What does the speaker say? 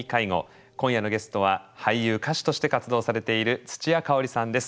今夜のゲストは俳優・歌手として活動されているつちやかおりさんです。